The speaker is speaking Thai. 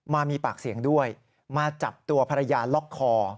มามีปากเสียงด้วยมาจับตัวภรรยาล็อกคอ